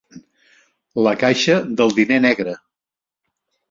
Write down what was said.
La caixa del diner negre.